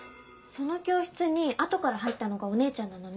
その教室に後から入ったのがお姉ちゃんなのね。